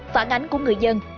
phản ánh của người dân